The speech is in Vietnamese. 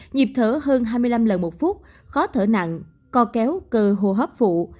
nhịp thở hơn hai mươi năm lần một phút khó thở nặng co kéo cơ hô hấp phụ